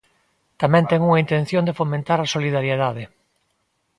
Tamén ten unha intención de fomentar a solidariedade.